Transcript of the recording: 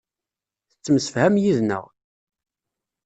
Tettemsefham yid-neɣ.